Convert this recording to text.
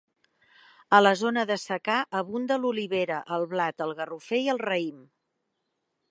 A la zona de secà abunda l'olivera, el blat, el garrofer i el raïm.